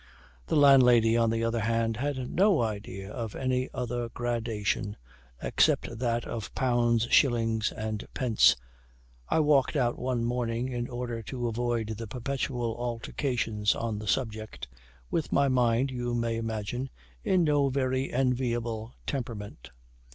The landlady, on the other hand, had no idea of any other gradation except that of pounds, shillings, and pence. I walked out one morning in order to avoid the perpetual altercations on the subject, with my mind, you may imagine, in no very enviable temperament.